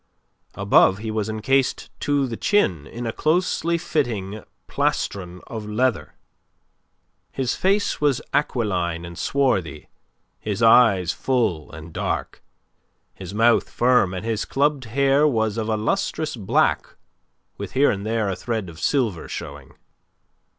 Above he was encased to the chin in a closely fitting plastron of leather. His face was aquiline and swarthy, his eyes full and dark, his mouth firm and his clubbed hair was of a lustrous black with here and there a thread of silver showing.